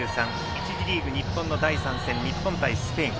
１次リーグ、日本の第３戦日本対スペイン。